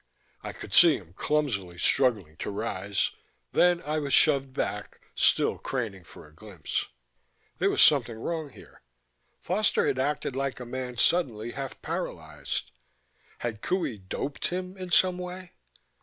I could see him clumsily struggling to rise, then I was shoved back, still craning for a glimpse. There was something wrong here; Foster had acted like a man suddenly half paralyzed. Had Qohey doped him in some way?